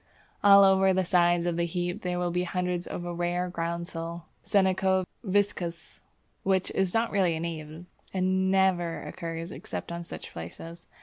All over the sides of the heap there will be hundreds of a rare groundsel (Senecio viscosus), which is not really a native, and never occurs except on such places.